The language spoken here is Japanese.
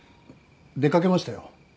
出かけましたよ